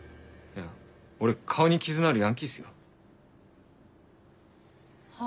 俺顔に傷のあるヤンキーっすよ？